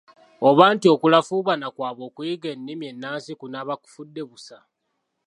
Oba nti okulafuubana kwabwe okuyiga ennimi ennansi kunaaba kufudde busa.